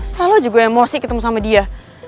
selalu aja gue emosi ketemu sama dia